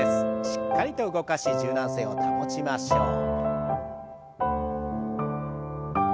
しっかりと動かし柔軟性を保ちましょう。